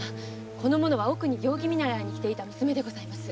この者は奥に行儀見習いに来ていた娘です。